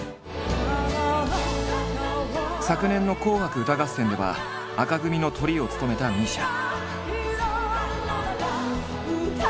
昨年の「紅白歌合戦」では紅組のトリを務めたＭＩＳＩＡ。